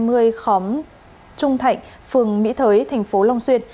tổ hai mươi khóm trung thạnh phường mỹ thới tp long xuyên